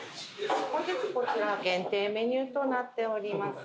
本日こちら限定メニューとなっております